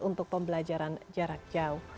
untuk pembelajaran jarak jauh